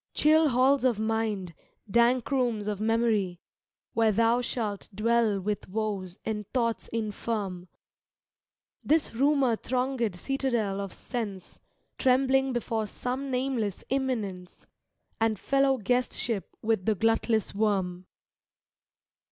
Chill halls of mind, dank rooms of memory. Where thou shalt dwell with woes and thoughts infirm; This rumour thronged citadel of Sense, Trembling before some nameless Imminence; And fello W' guestship with the glutless Worm.